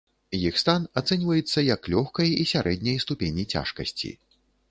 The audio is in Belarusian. Іх стан ацэньваецца як лёгкай і сярэдняй ступені цяжкасці.